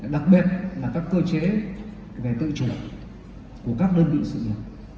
đặc biệt là các cơ chế về tự chủ của các đơn vị sự nghiệp